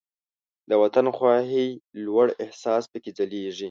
د وطن خواهۍ لوړ احساس پکې ځلیږي.